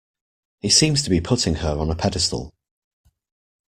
He seems to be putting her on a pedestal.